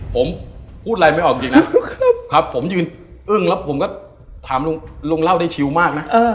ผมพูดอะไรไม่ออกจริงนะครับผมยืนอึ้งแล้วผมก็ถามลุงเล่าได้ชิวมากนะ